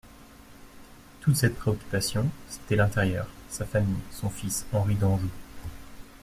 Toute sa préoccupation, c'était l'intérieur, sa famille, son fils Henri d'Anjou.